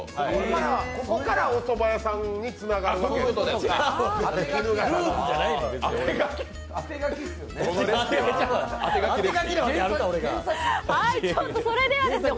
ここからおそば屋さんにつながるわけですね。